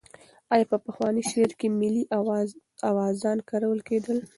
آیا په پخواني شعر کې ملي اوزان کارول کېدل؟